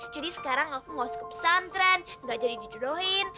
jadi sekarang aku gak usah ke pesantren gak jadi dijodohin